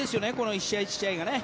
１試合１試合がね。